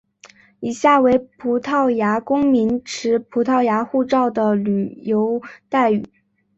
以下为葡萄牙公民持葡萄牙护照的旅游待遇。